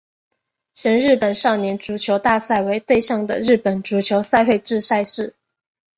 全日本少年足球大赛为对象的日本足球赛会制赛事。